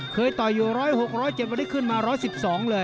ต่อยอยู่ร้อยหกร้อยเจ็บวันนี้ขึ้นมาร้อยสิบสองเลย